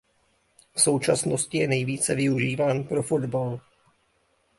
V současnosti je nejvíce využíván pro fotbal.